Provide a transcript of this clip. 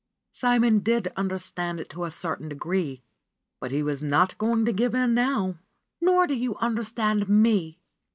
Simon did understand it to a certain degree, but he was not going to give in now. ''Nor do you understand me!"